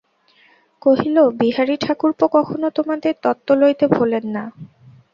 কহিল, বিহারী-ঠাকুরপো কখনো তোমাদের তত্ত্ব লইতে ভোলেন না।